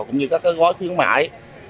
cũng như các gói khuyến mại